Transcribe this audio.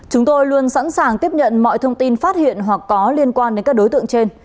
chúng tôi luôn sẵn sàng tiếp nhận mọi thông tin phát hiện hoặc có liên quan đến các đối tượng trên